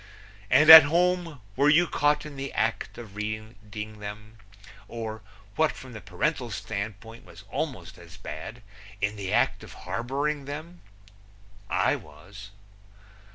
And at home were you caught in the act of reading them, or what from the parental standpoint was almost as bad in the act of harboring them? I was.